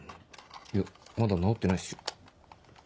いやまだ直ってないっすよ。